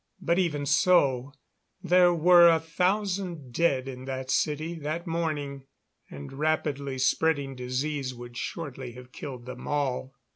But even so, there were a thousand dead in that city that morning, and rapidly spreading disease would shortly have killed them all.